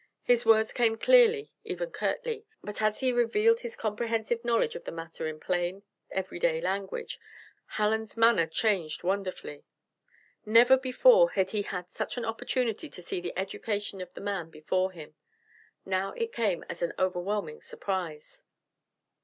His words came clearly, even curtly; but as he revealed his comprehensive knowledge of the matter in plain, every day language, Hallen's manner changed wonderfully. Never before had he had such an opportunity to see the education of the man before him. Now it came as an overwhelming surprise.